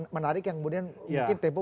menarik yang kemudian mungkin tempo